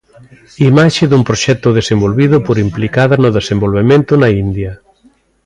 Imaxe dun proxecto desenvolvido por Implicadas no Desenvolvemento na India.